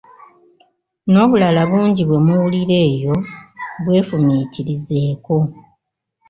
N'obulala bungi bwe muwulira eyo bw'efumiitirizeeko.